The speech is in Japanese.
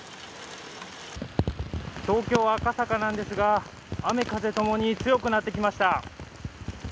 東京・赤坂なんですが、雨風共に強くなってきました。